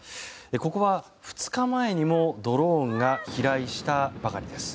ここは２日前にもドローンが飛来したばかりです。